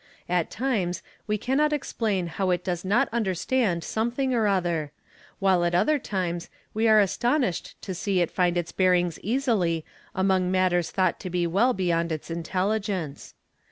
At times we cannot explain how it does not understand something or other, while at other times we are astonished to see it find its bearings easily among matters thought to be well beyond its intelligence.